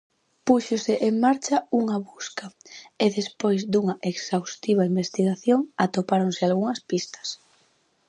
Púxose en marcha unha busca, e despois dunha exhaustiva investigación, atopáronse algunhas pistas.